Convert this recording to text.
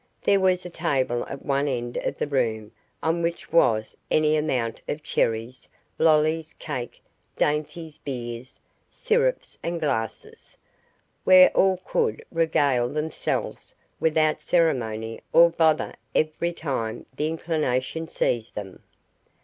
There was a table at one end of the room on which was any amount of cherries, lollies, cake, dainties, beers, syrups, and glasses, where all could regale themselves without ceremony or bother every time the inclination seized them.